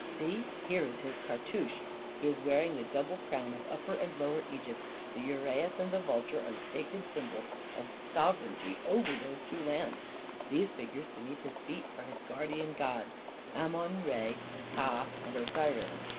" See — here is his cartouche — he is wearing the double crown of upper and lower Egypt — the uraeus and the vulture are the sacred symbols of sovereignty over the two lands. These figures beneath his feet are his guardian gods — Amon Re, Ka and Osiris.